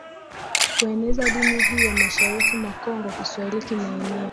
kueneza dini hiyo Mashariki mwa Kongo Kiswahili kimeenea